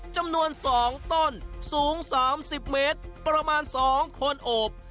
จำนวนสองต้นสูงสามสิบเมตรประมาณสองคนอบ